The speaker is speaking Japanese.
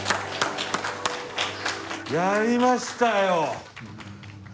やりましたよ。